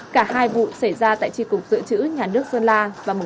cả hai vụ xảy ra trong năm hai nghìn hai mươi